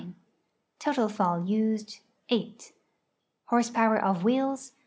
Total fall used. Horse power of wheels.